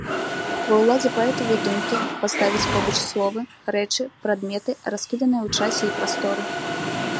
Ва ўладзе паэтавай думкі паставіць побач словы, рэчы, прадметы, раскіданыя ў часе і прасторы.